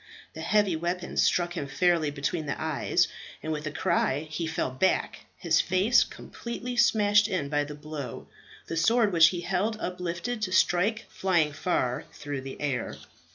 The heavy weapon struck him fairly between the eyes, and with a cry he fell back, his face completely smashed in by the blow, the sword which he held uplifted to strike flying far through the air.